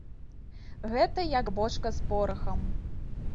Гэта як бочка з порахам.